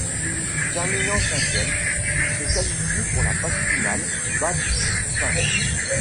Terminant cinquièmes, ils se qualifient pour la phase finale, battent St.